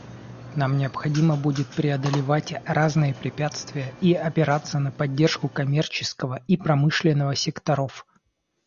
Нам необходимо будет преодолевать разные препятствия и опираться на поддержку коммерческого и промышленного секторов.